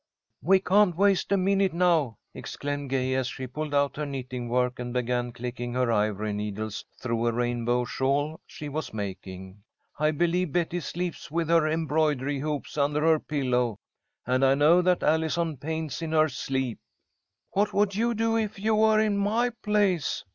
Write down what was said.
"We can't waste a minute now," exclaimed Gay, as she pulled out her knitting work and began clicking her ivory needles through a rainbow shawl she was making. "I believe Betty sleeps with her embroidery hoops under her pillow, and I know that Allison paints in her sleep." "What would you do if you were in my place?"